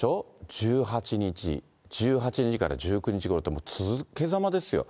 １８日、１８時から１９時ごろって、続けざまですよ。